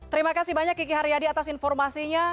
terima kasih banyak kiki haryadi atas informasinya